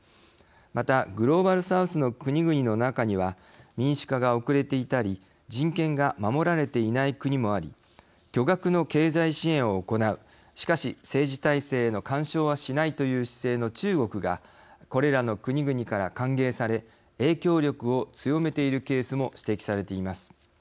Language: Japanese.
またグローバル・サウスの国々の中には民主化が遅れていたり人権が守られていない国もあり巨額の経済支援を行うしかし政治体制への干渉はしないという姿勢の中国がこれらの国々から歓迎され影響力を強めているケースも指摘されています。